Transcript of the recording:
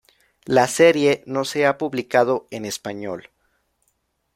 La serie no se ha publicado en español.